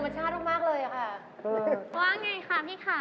สวัสดีค่ะ